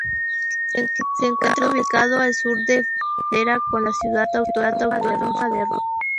Se encuentra ubicado al sur de la frontera con la ciudad autónoma de Rostock.